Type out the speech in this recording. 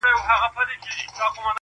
نور څه نسته هغه سپی دی او دی خر دی٫